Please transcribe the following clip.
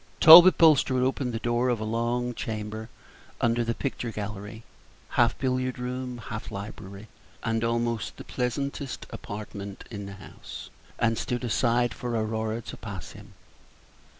Talbot Bulstrode opened the door of a long chamber under the picture gallery half billiard room, half library, and almost the pleasantest apartment in the house and stood aside for Aurora to pass him.